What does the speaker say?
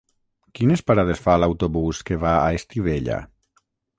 Quines parades fa l'autobús que va a Estivella?